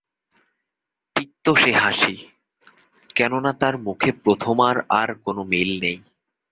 তিক্ত সে হাসি, কেননা তার মুখে প্রথমার আর কোনো মিল নেই।